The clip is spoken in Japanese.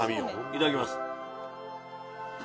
いただきます。